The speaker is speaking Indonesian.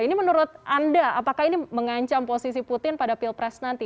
ini menurut anda apakah ini mengancam posisi putin pada pilpres nanti